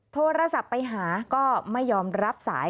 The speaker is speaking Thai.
โทรศัพท์ไปหาก็ไม่ยอมรับสาย